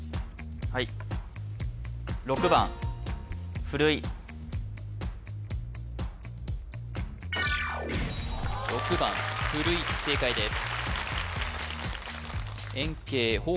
はい６番ふるい正解です